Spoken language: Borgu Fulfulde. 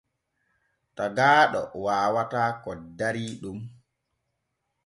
Tagaaɗo waawataa ko darii ɗon.